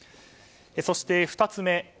そして、２つ目。